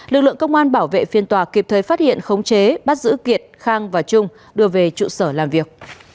lực lượng công an bảo vệ phiên tòa kịp thời phát hiện khống chế bắt giữ kiệt khang và trung đưa về trụ sở làm việc